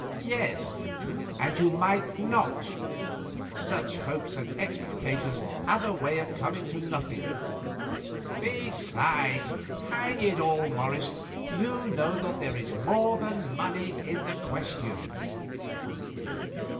"Yes, and you might not; such hopes and expectations have a way of coming to nothing. Besides, hang it all, Morris, you know that there is more than money in the question."